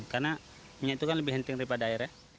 karena minyak itu kan lebih henteng daripada air